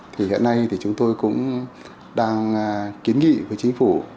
thì hiện nay thì chúng tôi cũng đang kiến nghị với chính phủ